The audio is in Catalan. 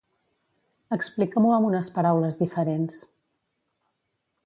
Explica-m'ho amb unes paraules diferents.